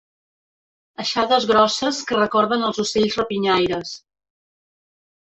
Aixades grosses que recorden els ocells rapinyaires.